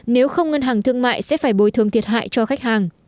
nếu không ngân hàng thương mại sẽ phải bối thương thiệt hại cho khách hàng